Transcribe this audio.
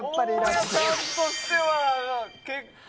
大矢さんとしては結構。